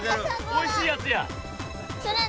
美味しいやつや。